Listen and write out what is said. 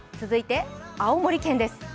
続いて、青森県です。